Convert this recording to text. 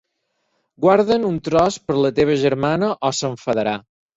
Guarda'n un tros per la teva germana o s'enfadarà.